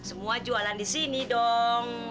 semua jualan di sini dong